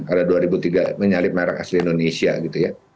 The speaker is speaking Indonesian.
ada dua ribu tiga menyalip merek asli indonesia gitu ya